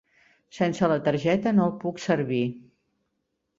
Sense la targeta no el puc servir.